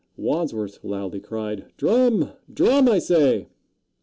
Wadsworth loudly cried, "Drum! drum, I say!"